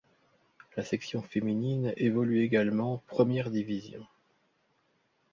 La section féminine évolue également première division.